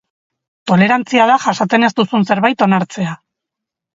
Tolerantzia da jasaten ez duzun zerbait onartzea.